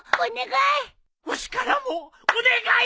わしからもお願い！